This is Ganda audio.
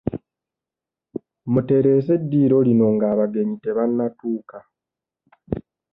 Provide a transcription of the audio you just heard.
Mutereeze eddiiro lino ng'abagenyi tebannatuuka